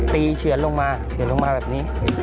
ตีเฉียนลงมาแบบนี้